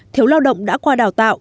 thiếu lao động đã qua đào tạo